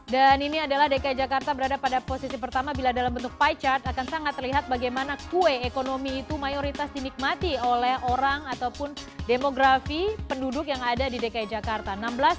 dan ini adalah dki jakarta berada pada posisi pertama bila dalam bentuk pie chart akan sangat terlihat bagaimana kue ekonomi itu mayoritas dinikmati oleh orang ataupun demografi penduduk yang ada di dki jakarta